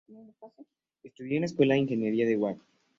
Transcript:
Estudió en la Escuela de Ingeniería de Wah.